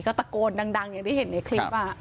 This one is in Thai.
ตะโกนดังอย่างที่เห็นในคลิป